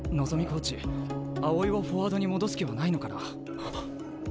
コーチ青井をフォワードに戻す気はないのかな？